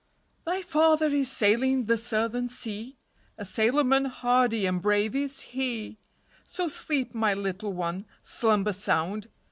Thy father is sailing the Southern sea, A sailorman hardy and brave is he; So sleep, my little one, Slumber sound.